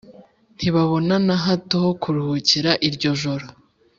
ntibabona na hato ho kuruhukira iryo joro